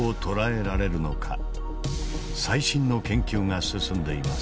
最新の研究が進んでいます。